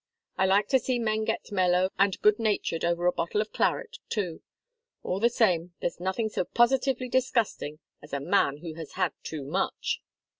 I like to see men get mellow and good natured over a bottle of claret, too. All the same, there's nothing so positively disgusting as a man who has had too much."